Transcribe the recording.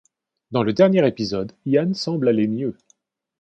Dans le dernier épisode, Ian semble aller mieux.